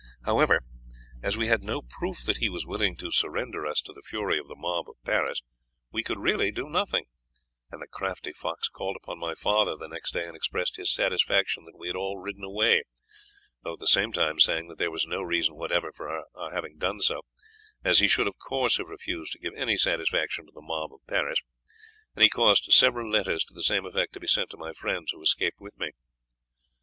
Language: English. However, as we had no proof that he was willing to surrender us to the fury of the mob of Paris, we could do nothing, and the crafty fox called upon my father the next day and expressed his satisfaction that we had all ridden away, though at the same time saying that there was no reason whatever for our having done so, as he should of course have refused to give any satisfaction to the mob of Paris, and he caused several letters to the same effect to be sent to my friends who escaped with me.